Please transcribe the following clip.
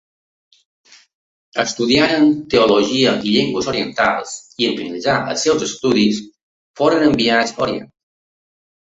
Estudiaren teologia i llengües orientals i en finalitzar els seus estudis foren enviats a Orient.